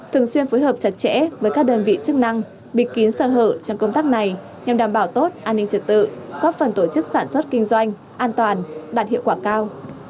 thường xuyên phối hợp chặt chẽ với các đơn vị chức năng bịt kín sơ hở trong công tác này nhằm đảm bảo tốt an ninh trật tự có phần tổ chức sản xuất kinh doanh an toàn đạt hiệu quả cao